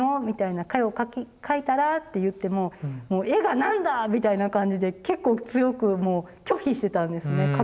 みたいな「絵を描いたら？」って言っても「絵が何だ！」みたいな感じで結構強く拒否してたんですね